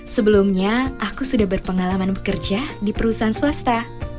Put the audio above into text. sebelumnya aku sudah berpengalaman bekerja di perusahaan swasta